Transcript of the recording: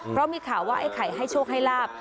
เพราะมีข่าวว่าไอ้ไข่ให้โชคให้ลาบ